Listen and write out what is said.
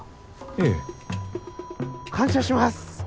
ええ。感謝します！